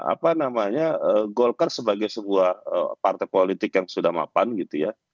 apa namanya golkar sebagai sebuah partai politik yang sudah mapan gitu ya